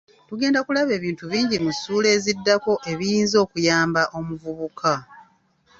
Tugenda kulaba ebintu bingi mu ssuula eziddako ebiyinza okuyamba omuvubuka.